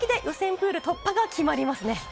プール突破が決まりますね。